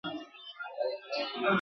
زموږ دفتحي د جشنونو !.